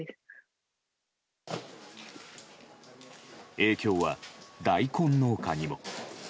影響は大根農家にも。